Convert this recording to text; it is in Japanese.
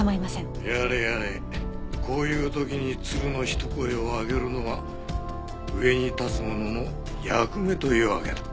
やれやれこういう時に鶴の一声を上げるのが上に立つ者の役目というわけだ。